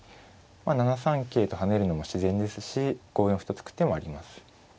７三桂と跳ねるのも自然ですし５四歩と突く手もあります。